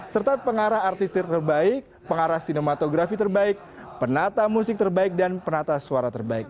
serta pengarah artisir terbaik pengarah sinematografi terbaik penata musik terbaik dan penata suara terbaik